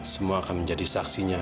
semua akan menjadi saksinya